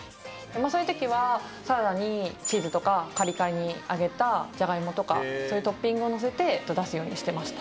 そういうときはサラダにチーズとか、かりかりに揚げたジャガイモとか、そういうトッピングを載せて出すようにしてました。